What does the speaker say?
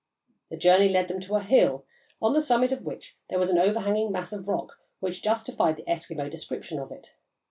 The journey led them to a hill, on the summit of which there was an overhanging mass of rock which justified the Eskimo description of it.